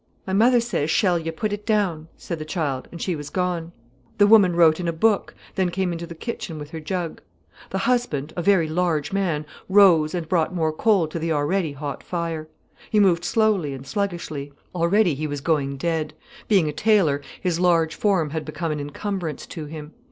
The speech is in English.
"My mother says shall yer put it down," said the child, and she was gone. The woman wrote in a book, then came into the kitchen with her jug. The husband, a very large man, rose and brought more coal to the already hot fire. He moved slowly and sluggishly. Already he was going dead; being a tailor, his large form had become an encumbrance to him.